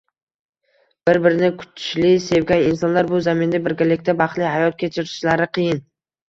Bir-birini kuchli sevgan insonlar bu zaminda birgalikda baxtli hayot kechirishlari qiyin.